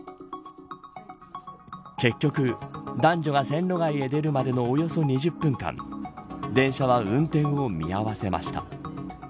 結局、男女が線路外へ出るまでのおよそ２０分間電車は運転を見合わせました。